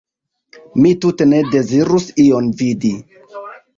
Mi tute ne dezirus ion vidi!